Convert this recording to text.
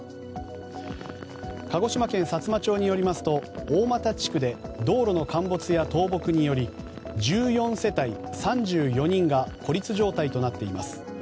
鹿児島県さつま町によりますと大俣地区で道路の陥没や倒木により１４世帯３４人が孤立状態となっています。